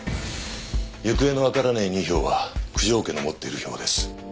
行方のわからない２票は九条家の持っている票です。